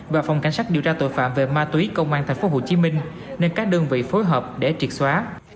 và phòng cảnh sát điều tra tội phạm về ma túy công an tp hcm nên các đơn vị phối hợp để triệt xóa